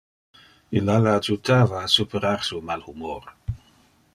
Illa le adjutava a superar su mal humor.